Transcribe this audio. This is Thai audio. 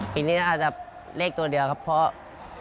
ปีนี้อาจจะเล่นตัวเดียวเพราะ